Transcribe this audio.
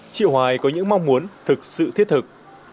chị hoài có những mong muốn thực sự thiết thực